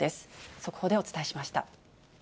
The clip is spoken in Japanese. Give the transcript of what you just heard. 速報でお伝えしました。